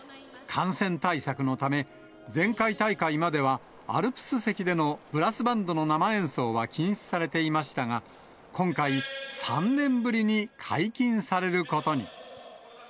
感染対策のため、前回大会までは、アルプス席でのブラスバンドの生演奏は禁止されていましたが、今回、３年ぶりに解禁されることに。